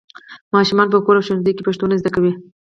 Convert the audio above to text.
ماشومان په کور او ښوونځي کې پښتو نه زده کوي.